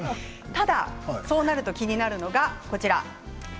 ただそうなると気になるのがこちらです。